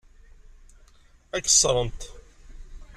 Ad k-ṣṣrent.